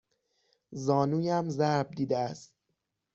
زانویم ضرب دیده است.